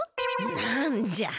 なんじゃ。